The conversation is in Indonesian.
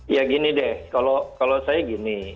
ya gini deh kalau saya gini